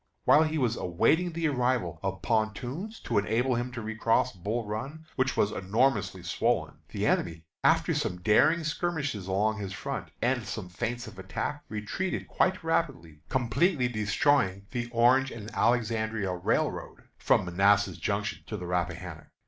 While he was awaiting the arrival of pontoons to enable him to recross Bull Run, which was enormously swollen, the enemy, after some daring skirmishes along his front, and some feints of attack, retreated quite rapidly, completely destroying the Orange and Alexandria Railroad from Manassas Junction to the Rappahannock.